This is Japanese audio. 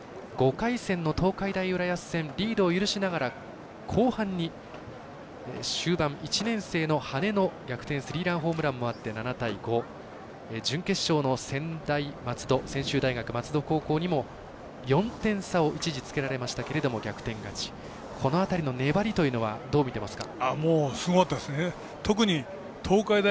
５回戦の東海大浦安戦リードを許しながら後半に終盤１年生の羽根の逆転スリーランもあって７対５、準決勝で専修大学松戸高校にも４点差を一時つけられましたが逆転勝ち、この辺りの粘りどう見ていますか？